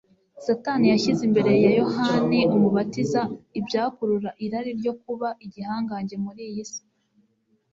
Satani yashyize imbere ya Yohana umubatiza ibyakurura irari ryo kuba igihangange muri iyi si.